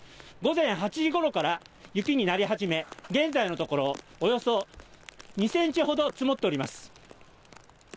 午前８時ごろから雪になり始め、現在のところ、およそ２センチほど積もっております。